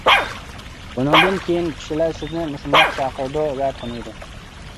بۇنىڭدىن كېيىن كىشىلەر سىزنى مۇشۇنداق چاقىرىدۇ ۋە تونۇيدۇ.